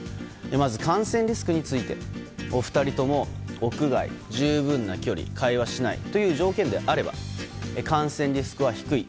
まず感染リスクについてお二人とも屋外、十分な距離会話しないという条件であれば感染リスクは低い。